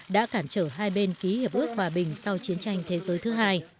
đã cản trở hai bên ký hiệp ước hòa bình sau chiến tranh thế giới thứ hai